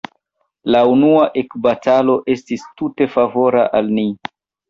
La unua ekbatalo estis tute favora al ni.